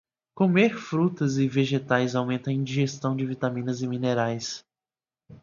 Comer frutas e vegetais aumenta a ingestão de vitaminas e minerais.